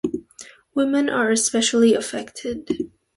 Women are especially affected.